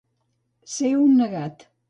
Ser un negat.